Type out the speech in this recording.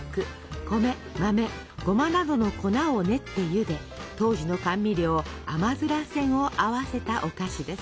米豆ごまなどの粉を練ってゆで当時の甘味料甘煎を合わせたお菓子です。